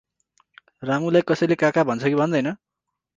रामुलाई कसैले काका भन्छ कि भन्दैन?